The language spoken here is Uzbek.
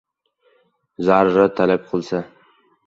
Zarurat talab kilsa